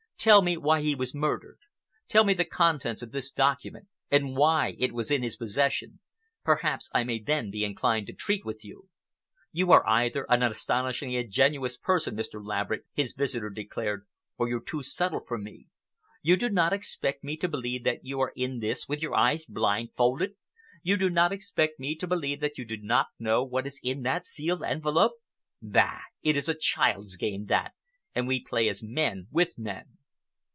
Tell me why he was murdered? Tell me the contents of this document and why it was in his possession? Perhaps I may then be inclined to treat with you." "You are either an astonishingly ingenuous person, Mr. Laverick," his visitor declared, "or you're too subtle for me. You do not expect me to believe that you are in this with your eyes blindfolded? You do not expect me to believe that you do not know what is in that sealed envelope? Bah! It is a child's game, that, and we play as men with men."